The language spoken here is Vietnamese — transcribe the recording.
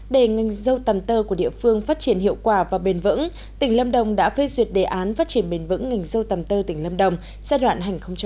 để ngành dâu tầm tơ của địa phương phát triển hiệu quả và bền vững tỉnh lâm đồng đã phê duyệt đề án phát triển bền vững ngành dâu tầm tơ tỉnh lâm đồng giai đoạn hai nghìn hai mươi hai hai nghìn hai mươi năm